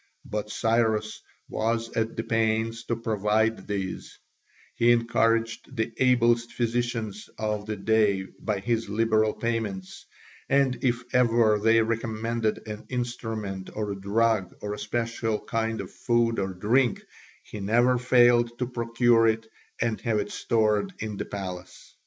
But Cyrus was at the pains to provide these; he encouraged the ablest physicians of the day by his liberal payments, and if ever they recommended an instrument or a drug or a special kind of food or drink, he never failed to procure it and have it stored in the palace.